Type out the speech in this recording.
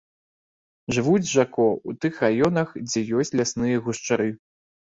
Жывуць жако ў тых раёнах, дзе ёсць лясныя гушчары.